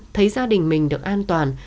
thấy gia đình mình được an toàn